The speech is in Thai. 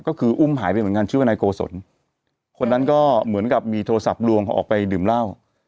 ก็คืออุ้มหายไปเหมือนกันชื่อว่านายโกศลคนนั้นก็เหมือนกับมีโทรศัพท์ลวงเขาออกไปดื่มเหล้า